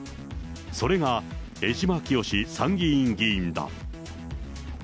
それが江島潔参議院議員だ。